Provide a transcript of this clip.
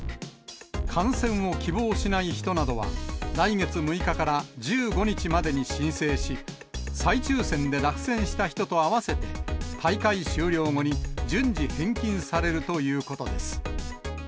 観戦を希望しない人などは、来月６日から１５日までに申請し、再抽せんで落選した人と合わせて、大会終了後に順次返金されるということです。